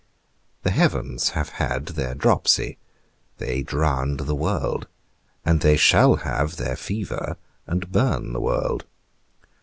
The heavens have had their dropsy, they drowned the world; and they shall have their fever, and burn the world.